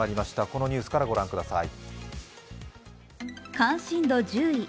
このニュースから御覧ください。